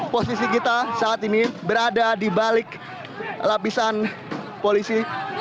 posisi kita saat ini berada di balik lapisan polisi